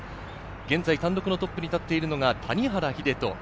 現在単独のトップに立っているのが谷原秀人。